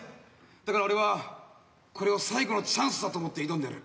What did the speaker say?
だから俺はこれを最後のチャンスだと思って挑んでる。